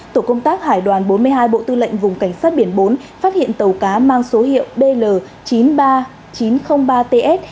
tổ công tác hải đoàn bốn mươi hai bộ tư lệnh vùng cảnh sát biển bốn phát hiện tàu cá mang số hiệu bl chín mươi ba nghìn chín trăm linh ba ts